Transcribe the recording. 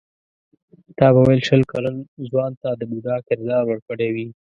تا به ویل شل کلن ځوان ته د بوډا کردار ورکړی وي.